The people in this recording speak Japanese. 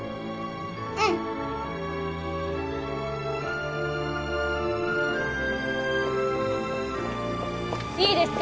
うんいいですか？